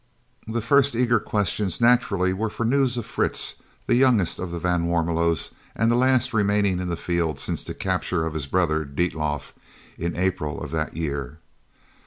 The first eager questions naturally were for news of Fritz, the youngest of the van Warmelos and the last remaining in the field since the capture of his brother Dietlof in April of that year.